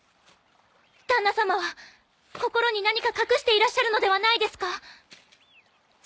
旦那様は心に何か隠していらっしゃるのではないですか？